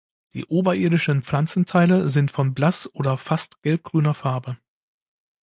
Die oberirdischen Pflanzenteile sind von blass- oder fast gelbgrüner Farbe.